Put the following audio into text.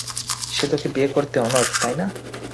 সে তোকে বিয়ে করতে অনড়, তাই না?